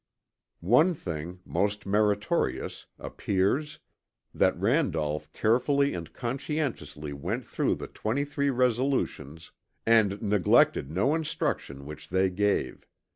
One thing, most meritorious, appears that Randolph carefully and conscientiously went through the 23 resolutions and neglected no instruction which they gave.